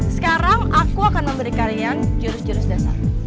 sekarang aku akan memberi kalian jurus jurus dasar